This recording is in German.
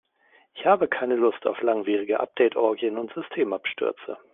Ich habe aber keine Lust auf langwierige Update-Orgien und Systemabstürze.